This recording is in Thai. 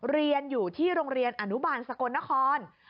เรียนอยู่ที่โรงเรียนอนุบาลสกลนคร